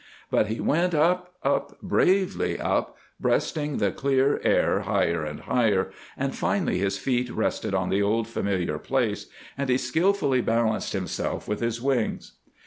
But he went up, up, bravely up, breasting the clear air higher and higher, and finally his feet rested on the old familiar place, and he skilfully balanced himself with his wings.